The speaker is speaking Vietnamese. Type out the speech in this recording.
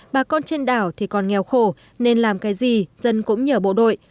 bà con trên đảo thì còn nghèo khổ nên làm cái gì dân cũng nhờ bộ đội